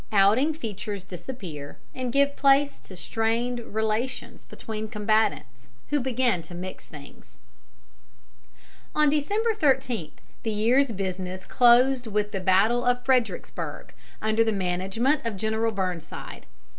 OUTING FEATURES DISAPPEAR, AND GIVE PLACE TO STRAINED RELATIONS BETWEEN COMBATANTS, WHO BEGIN TO MIX THINGS. On December 13 the year's business closed with the battle of Fredericksburg, under the management of General Burnside.